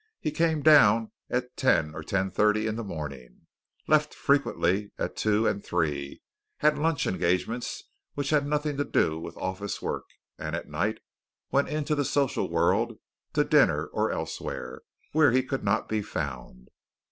He came down at ten or ten thirty in the morning, left frequently at two and three, had lunch engagements which had nothing to do with office work, and at night went into the social world to dinner or elsewhere, where he could not be found.